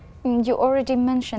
trong africa và thái lan